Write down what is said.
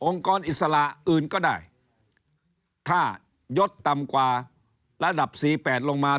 กรอิสระอื่นก็ได้ถ้ายดต่ำกว่าระดับสี่แปดลงมา